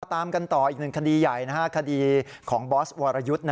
เรารอตามกันต่ออีกหนึ่งสิ่งใหญ่ขดีของบอสวอรอยุทธ์